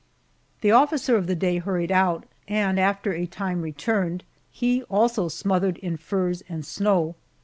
The officer of the day hurried out, and after a time returned, he also smothered in furs and snow.